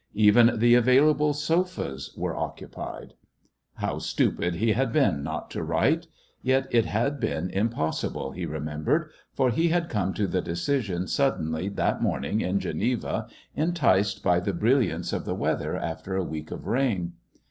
Even the available sofas were occupied.... How stupid he had been not to write! Yet it had been impossible, he remembered, for he had come to the decision suddenly that morning in Geneva, enticed by the brilliance of the weather after a week of rain.